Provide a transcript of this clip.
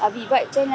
vì vậy cho nên là